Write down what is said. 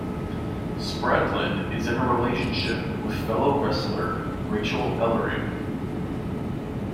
Spradlin is in a relationship with fellow wrestler Rachael Ellering.